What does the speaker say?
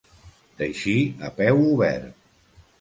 Teixir a peu obert.